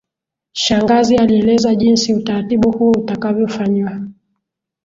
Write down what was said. Shangazi alieleza jinsi utaratibu huo utakavyofanywa